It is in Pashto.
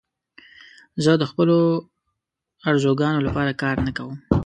زه د خپلو آرزوګانو لپاره کار نه کوم.